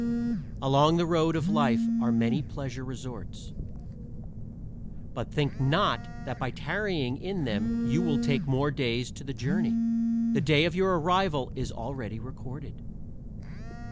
Along the road of life are many pleasure resorts, but think not that by tarrying in them you will take more days to the journey. The day of your arrival is already recorded.